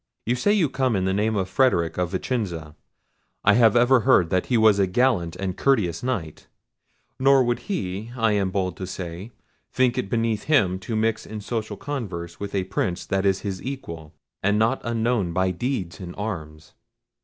You say you come in the name of Frederic of Vicenza; I have ever heard that he was a gallant and courteous Knight; nor would he, I am bold to say, think it beneath him to mix in social converse with a Prince that is his equal, and not unknown by deeds in arms.